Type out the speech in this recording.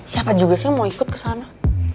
siapa juga sih yang mau ikut ke sana